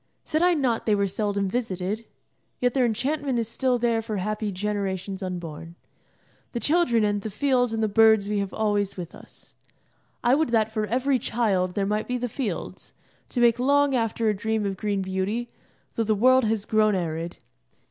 Said I not they were seldom visited? Yet their enchantment is still there for happy generations unborn. The children and the fields and the birds we have always with us. I would that for every child there might be the fields, to make long after a dream of green beauty, though the world has grown arid.